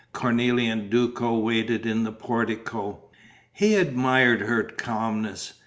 Cornélie and Duco waited in the portico. He admired her calmness.